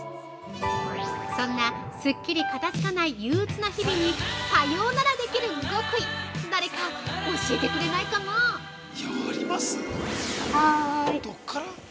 そんな、すっきり片づかない憂うつな日々にさよならできる極意、誰か教えてくれないかなあ。